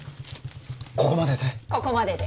ここまでで？